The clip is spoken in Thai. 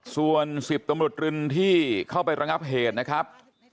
ส่วน๑๐ตำรวจรินที่เข้าไประงับเหตุนะครับ